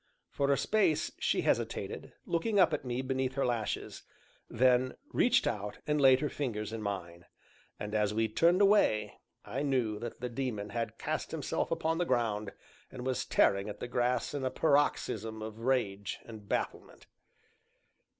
For a space she hesitated, looking up at me beneath her lashes, then reached out, and laid her fingers in mine; and, as we turned away, I knew that the Daemon had cast himself upon the ground, and was tearing at the grass in a paroxysm of rage and bafflement.